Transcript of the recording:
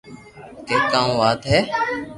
ڪي ڪاو وات ھي